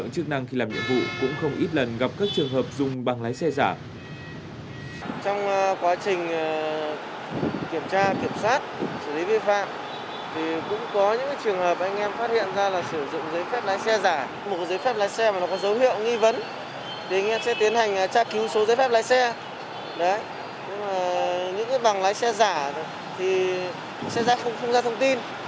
nhưng mà những cái bằng lái xe giả thì xe ra không ra thông tin